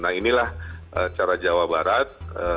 nah inilah cara jawa barat